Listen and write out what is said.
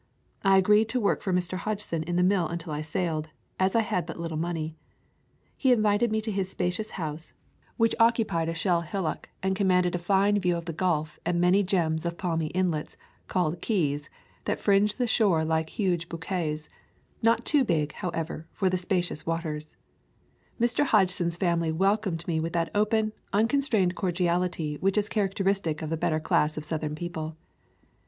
I agreed to work for Mr. Hodgson in the mill until I sailed, as I had but little money. He invited me to his spacious house, which occupied a shell hillock and com [ 125 ] A Thousand Mile Walk manded a fine view of the Gulf and many gems of palmy islets, called "keys," that fringe the shore like huge bouquets — not too big, how ever, for the spacious waters. Mr. Hodgson's family welcomed me with that open, uncon strained cordiality which is characteristic of the better class of Southern people.